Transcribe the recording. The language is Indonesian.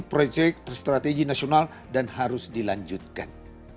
proyek strategi nasional dan harus dilanjutkan